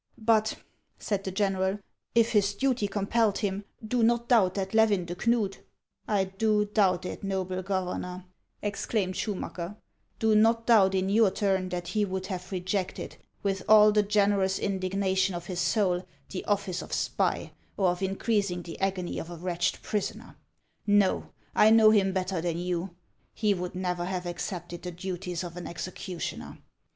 '• But," said the general, "if his duty compelled him, do not doubt that Levin de Knud —"" I do doubt it, noble Governor," exclaimed Schu macker ; "do not doubt in your turn that he would have rejected, with all the generous indignation of his soul, the office of spy, or of increasing the agony of a wretched pris oner ! Xo, I know him better than you ; he would never have accepted the duties of an executioner.